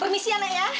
permisi ya nek ya